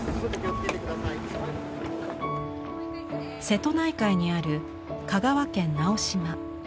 瀬戸内海にある香川県直島。